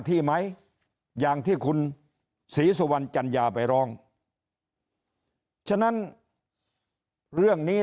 ที่ไหมอย่างที่คุณศรีสุวรรณจัญญาไปร้องฉะนั้นเรื่องนี้